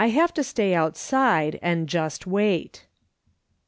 HAVE TO STAY OUTSIDE, AND JUST IVAIT."